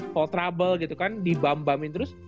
paul trouble gitu kan dibambamin terus